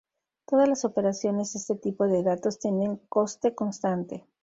Todas las operaciones de este tipo de datos tienen coste constante.